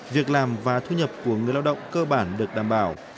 việc làm và thu nhập của người lao động cơ bản được đảm bảo